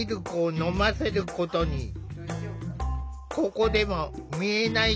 ここでも見えない